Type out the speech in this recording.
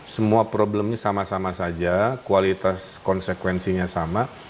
semua problemnya sama sama saja kualitas konsekuensinya sama